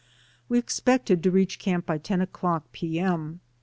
"We expected to reach camp by ten o'clock p. M.